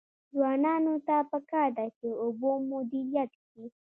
ځوانانو ته پکار ده چې، اوبه مدیریت کړي.